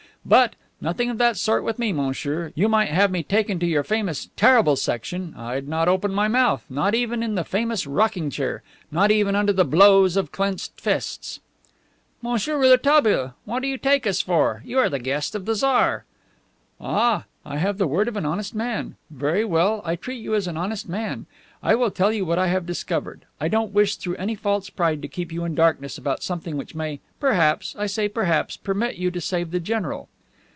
But nothing of that sort with me, monsieur. You might have me taken to your famous 'Terrible Section,' I'd not open my mouth, not even in the famous rocking chair, not even under the blows of clenched fists." "Monsieur Rouletabille, what do you take us for? You are the guest of the Tsar." "Ah, I have the word of an honest man. Very well, I will treat you as an honest man. I will tell you what I have discovered. I don't wish through any false pride to keep you in darkness about something which may perhaps I say perhaps permit you to save the general."